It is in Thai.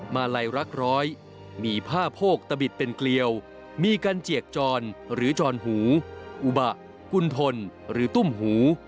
มาลัยรักร้อยมีผ้าโพกตะบิดเป็นเกลียวมีกันเจียกจรหรือจรหูอุบะกุณฑลหรือตุ้มหู